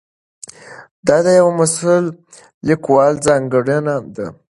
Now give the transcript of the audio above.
دا د یوه مسؤل لیکوال ځانګړنه ده.